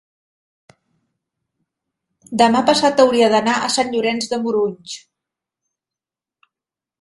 demà passat hauria d'anar a Sant Llorenç de Morunys.